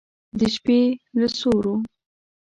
د شپې له سیورو